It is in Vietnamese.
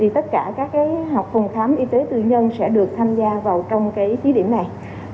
tất cả các học phòng khám y tế tư nhân sẽ được tham gia vào trong thí điểm này